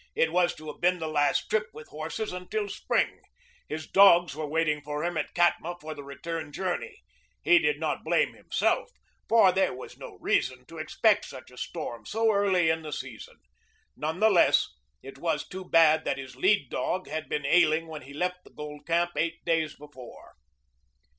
It was to have been the last trip with horses until spring. His dogs were waiting for him at Katma for the return journey. He did not blame himself, for there was no reason to expect such a storm so early in the season. None the less, it was too bad that his lead dog had been ailing when he left the gold camp eight days before.